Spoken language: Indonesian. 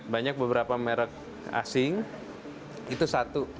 banyak beberapa merek asing itu satu